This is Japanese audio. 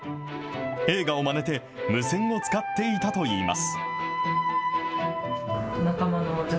映画をまねて、無線を使っていたといいます。